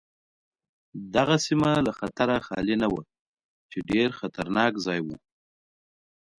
دغه سیمه له خطره خالي نه وه چې ډېر خطرناک ځای و.